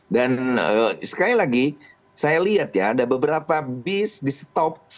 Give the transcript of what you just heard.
dan sekali lagi saya lihat ya ada beberapa bis di stop